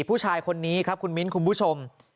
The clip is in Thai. ผู้ชายคนนี้ครับคุณมิ้นคุณผู้ชม